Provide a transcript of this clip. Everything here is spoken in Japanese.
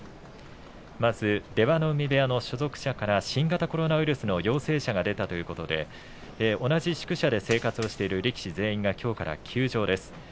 まず出羽海部屋の所属者から新型コロナウイルスの陽性者が出たということで同じ宿舎で生活をしている力士全員が、きょうから休場です。